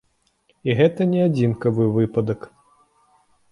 І гэта не адзінкавы выпадак.